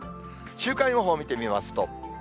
週間予報見てみますと。